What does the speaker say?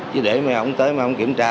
chứ để mày không tới mày không kiểm tra